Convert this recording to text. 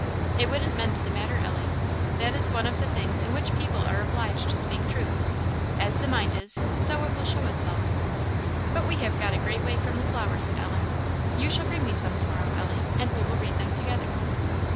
"It wouldn't mend the matter, Ellie. That is one of the things in which people are obliged to speak truth. As the mind is, so it will show itself." "But we have got a great way from the flowers," said Ellen. "You shall bring me some to morrow, Ellie, and we will read them together."